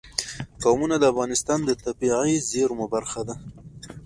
قومونه د افغانستان د طبیعي زیرمو برخه ده.